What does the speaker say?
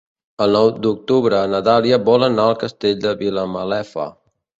El nou d'octubre na Dàlia vol anar al Castell de Vilamalefa.